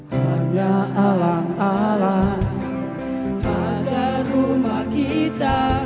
hanya alam alam pada rumah kita